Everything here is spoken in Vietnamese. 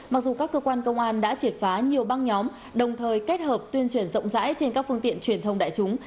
mặc dù các cơ quan công an đã triệt phá nhiều băng nhóm đồng thời kết hợp tuyên truyền rộng rãi trên các phương tiện truyền thông đại chúng